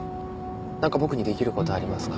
なんか僕にできることありますか？